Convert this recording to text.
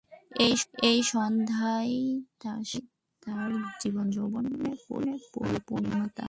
এই সন্ধানই তার স্বামী, তার জীবনযৌবনের পরিপূর্ণতা।